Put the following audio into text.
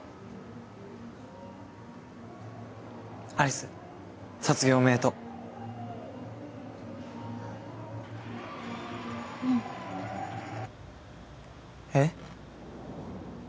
有栖卒業おめでとううんえっ？